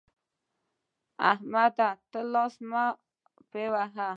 احمده! ته لاس مه په وهه.